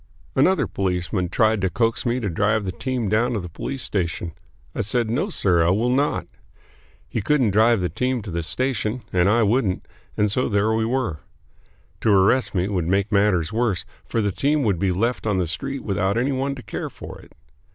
Another policeman tried to coax me to drive the team down to the police station. I said, "No, sir, I will not." He couldn't drive the team to the station, and I wouldn't, and so there we were. To arrest me would make matters worse, for the team would be left on the street without any one to care for it.